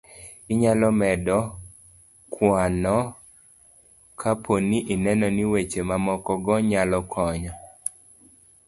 inyalo medo kwanno kapo ni ineno ni weche mamoko go nyalo konyo